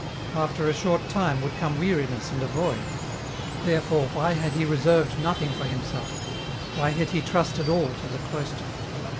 After a short time 312 EN ROUTE. would come weariness and a void, therefore why had he reserved nothing for himself, why had he trusted all to the cloister